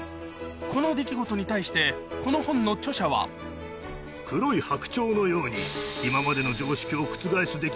この出来事に対してこの本の著者は「黒い白鳥のように今までの」。